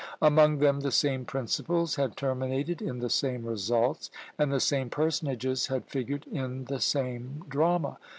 Among them the same principles had terminated in the same results, and the same personages had figured in the same drama.